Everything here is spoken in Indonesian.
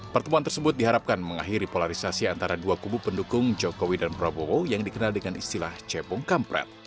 pertemuan tersebut diharapkan mengakhiri polarisasi antara dua kubu pendukung jokowi dan prabowo yang dikenal dengan istilah cepung kampret